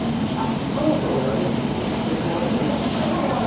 そろそろちょっと僕触れてもらってもいい？